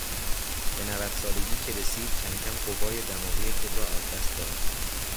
به نود سالگی که رسید کمکم قوای دماغی خود را از دست داد.